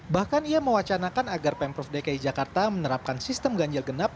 bahkan ia mewacanakan agar pemprov dki jakarta menerapkan sistem ganjil genap